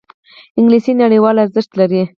انګلیسي نړیوال ارزښت لري